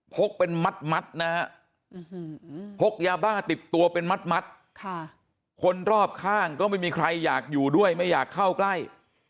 กเป็นมัดนะฮะพกยาบ้าติดตัวเป็นมัดคนรอบข้างก็ไม่มีใครอยากอยู่ด้วยไม่อยากเข้าใกล้